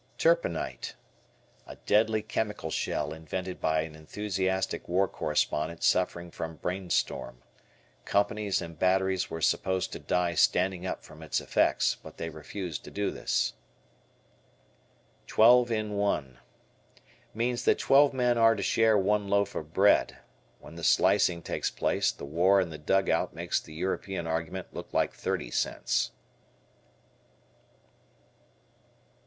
Turpenite. A deadly chemical shell invented by an enthusiastic war correspondent suffering from brain storm. Companies and batteries were supposed to die standing up from its effects, but they refused to do this. "Twelve in one." Means that twelve men are to share one loaf of bread. When the slicing takes place the war in the dugout makes the European argument look like thirty cents.